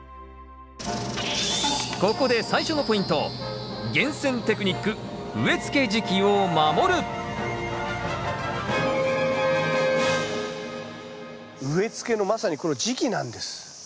ここで最初のポイント植え付けのまさにこの時期なんです。